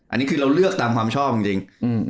อันนี้คือเราเลือกตามความชอบจริง